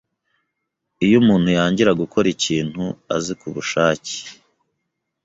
iyo umuntu yangira gukora ikintu azi kubushake.